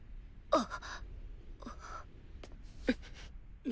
あっ。